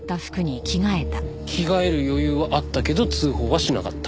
着替える余裕はあったけど通報はしなかった。